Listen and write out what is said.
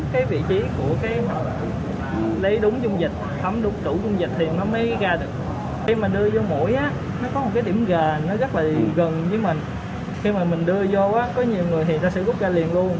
khi mà mình đưa vô có nhiều người thì ta sẽ rút ra liền luôn